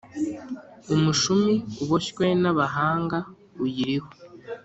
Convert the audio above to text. Umushumi uboshywe n abahanga uyiriho